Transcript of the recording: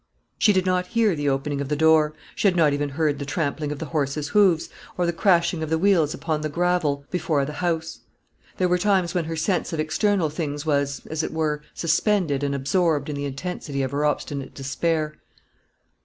She did not hear the opening of the door; she had not even heard the trampling of the horses' hoofs, or the crashing of the wheels upon the gravel before the house. There were times when her sense of external things was, as it were, suspended and absorbed in the intensity of her obstinate despair.